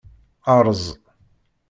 Erẓ.